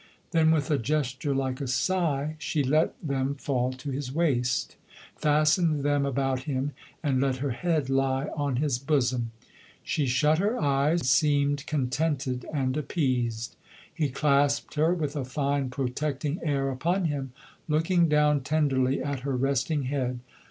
Then, with a gesture like a sigh, she let them fall to his waist, fastened them about him and let her head lie on his bosom. She shut her eyes, seemed contented and appeased. He clasped her, with a fine, protecting air upon him, looking down tenderly at her resting head.